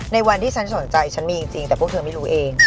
ในวันที่ฉันสนใจฉันมีจริงแต่พวกเธอไม่รู้เอง